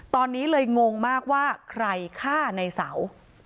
ตอนนี้เลยงงมากว่าใครฆ่าในเสา